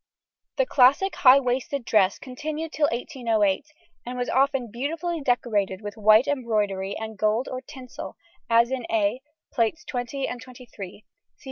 ] The classic high waisted dress continued till 1808, and was often beautifully decorated with white embroidery and gold or tinsel, as in A, Plates XX and XXIII (see pp.